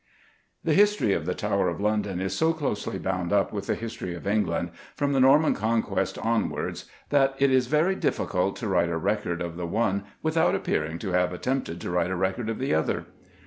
_ PREFACE The history of the Tower of London is so closely bound up with the history of England, from the Norman Conquest onwards, that it is very difficult to write a record of the one without appearing to have attempted to write a record of the other.